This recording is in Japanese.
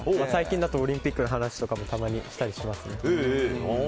最近だとオリンピックの話とかもたまにしたりしますね。